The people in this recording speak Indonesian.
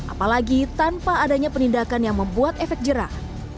apalagi tanpa adanya penindakan yang membuat efek jerah